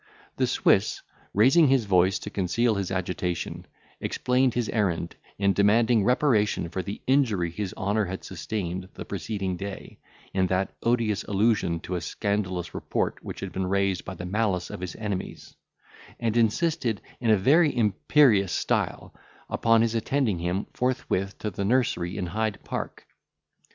The Swiss, raising his voice to conceal his agitation, explained his errand, in demanding reparation for the injury his honour had sustained the preceding day, in that odious allusion to a scandalous report which had been raised by the malice of his enemies; and insisted, in a very imperious style, upon his attending him forthwith to the nursery in Hyde Park.